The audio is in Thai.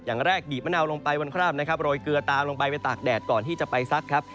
อย่างแรกบีบมะนาวลงไปบนคราบนะครับโรยเกลือตามลงไปไปตากแดดก่อนที่จะไปซักครับ